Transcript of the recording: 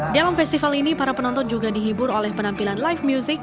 dalam festival ini para penonton juga dihibur oleh penampilan live music